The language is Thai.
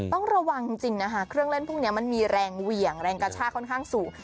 ต้องระวังจริงนะคะเครื่องเล่นพวกนี้มันมีแรงเหวี่ยงแรงกระชากค่อนข้างสูง